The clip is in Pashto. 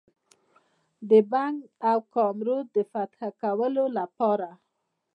د بنګ او کامرود د فتح کولو لپاره.